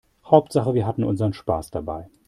Hauptsache wir hatten unseren Spaß dabei.